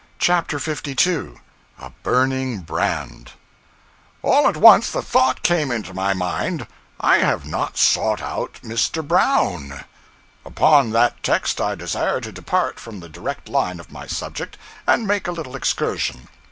CHAPTER 52 A Burning Brand _All _at once the thought came into my mind, 'I have not sought out Mr. Brown.' Upon that text I desire to depart from the direct line of my subject, and make a little excursion.